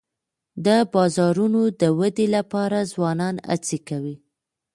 د بازارونو د ودي لپاره ځوانان هڅې کوي.